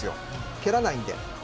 蹴らないので。